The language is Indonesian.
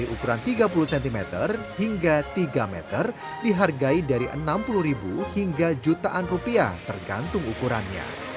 ukuran tiga puluh cm hingga tiga meter dihargai dari enam puluh ribu hingga jutaan rupiah tergantung ukurannya